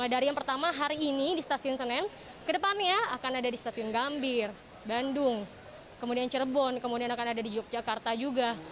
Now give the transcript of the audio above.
dari yang pertama hari ini di stasiun senen ke depannya akan ada di stasiun gambir bandung kemudian cirebon kemudian akan ada di yogyakarta juga